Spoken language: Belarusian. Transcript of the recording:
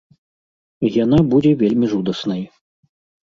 І яна будзе вельмі жудаснай!